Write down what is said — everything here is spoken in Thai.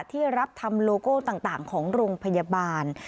ที่รับทำโลโก้ต่างของโรงพยาบาล